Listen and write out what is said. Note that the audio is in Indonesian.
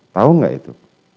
tahu enggak itu